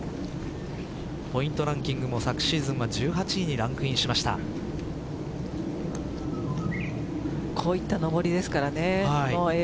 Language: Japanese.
ポイントランキングも昨シーズンは１８位にこういった上りですからね。